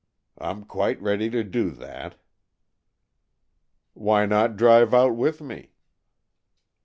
I'm quite ready to do that." "Why not drive out with me?"